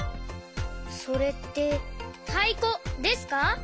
それってたいこですか？